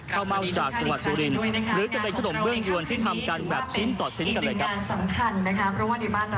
เม่าจากจังหวัดสุรินหรือจะเป็นขนมเบื้องยวนที่ทำกันแบบชิ้นต่อชิ้นกันเลยครับ